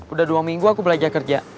udah dua minggu aku belajar kerja